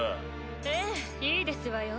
ええいいですわよ。